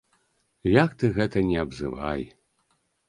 Як ты гэта ні абзывай.